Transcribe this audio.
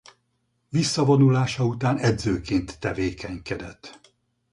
Visszavonulása után edzőként tevékenykedett.